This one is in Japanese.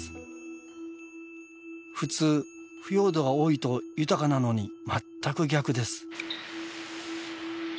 普通腐葉土が多いと豊かなのにまったく逆です。